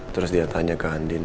terus dia tanya ke andin